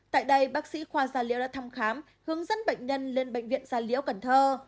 tại đây bác sĩ khoa gia liễu đã thăm khám hướng dẫn bệnh nhân lên bệnh viện gia liễu cần thơ